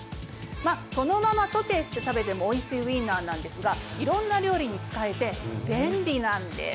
そのままソテーして食べてもおいしいウインナーなんですがいろんな料理に使えて便利なんです。